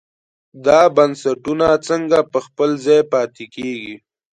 دا بنسټونه څنګه په خپل ځای پاتې کېږي.